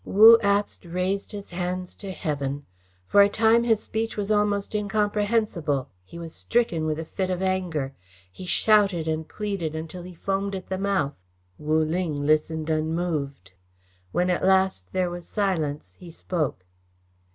Wu Abst raised his hands to heaven. For a time his speech was almost incomprehensible. He was stricken with a fit of anger. He shouted and pleaded until he foamed at the mouth. Wu Ling listened unmoved. When at last there was silence he spoke.